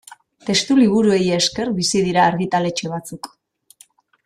Testuliburuei esker bizi dira argitaletxe batzuk.